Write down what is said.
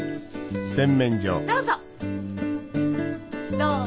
どうぞ！